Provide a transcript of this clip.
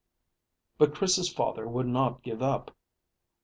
But Chris's father would not give up.